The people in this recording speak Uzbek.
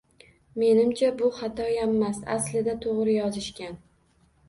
Menimcha, bu xatoyammas, aslida, toʻgʻri yozishgan